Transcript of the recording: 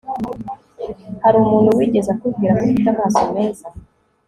Hari umuntu wigeze akubwira ko ufite amaso meza